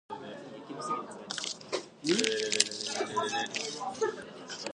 She was an occasional actress who appeared in small roles in television and film.